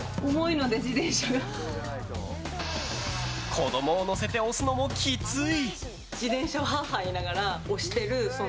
子供を乗せて押すのもきつい。